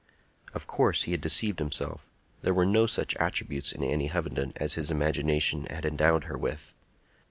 Of course he had deceived himself; there were no such attributes in Annie Hovenden as his imagination had endowed her with.